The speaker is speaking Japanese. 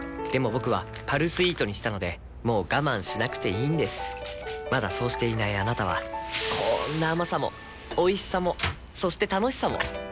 僕は「パルスイート」にしたのでもう我慢しなくていいんですまだそうしていないあなたはこんな甘さもおいしさもそして楽しさもあちっ。